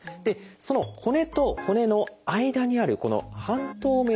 その骨と骨の間にあるこの半透明の部分